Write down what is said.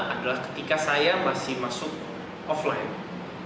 adalah ketika saya masih masuk offline